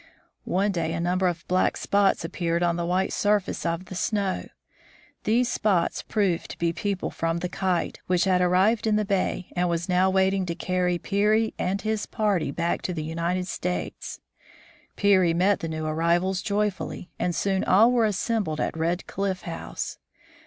One day a number of black spots appeared on the white surface of the snow. These spots proved to be people from the Kite, which had arrived in the bay and was now waiting to carry Peary and his party back to the United States. Peary met the new arrivals joyfully, and soon all were assembled at Red Cliff House.